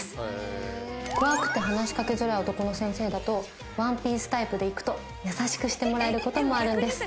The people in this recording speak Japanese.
怖くて話しかけづらい男の先生だとワンピースタイプでいくと優しくしてもらえる事もあるんです。